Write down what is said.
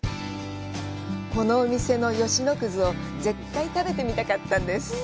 このお店の吉野葛を絶対食べてみたかったんです。